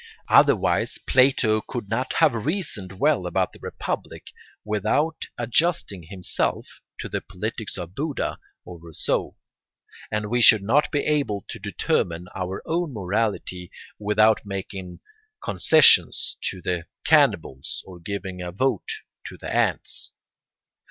Otherwise Plato could not have reasoned well about the republic without adjusting himself to the politics of Buddha or Rousseau, and we should not be able to determine our own morality without making concessions to the cannibals or giving a vote to the ants.